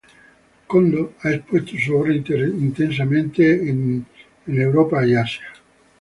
Condo ha expuesto su obra intensamente en los Estados Unidos, Europa y Asia.